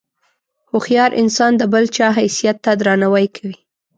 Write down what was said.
هوښیار انسان د بل چا حیثیت ته درناوی کوي.